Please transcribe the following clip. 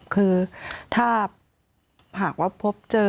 คือถ้าหากว่าพบเจอ